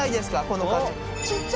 この感じ。